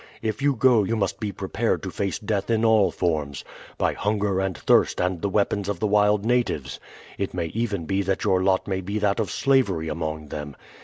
If you go you must be prepared to face death in all forms by hunger and thirst and the weapons of the wild natives. It may even be that your lot may be that of slavery among them.